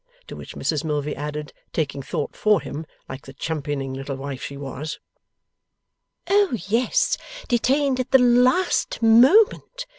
To which Mrs Milvey added, taking thought for him, like the championing little wife she was; 'Oh yes, detained at the last moment.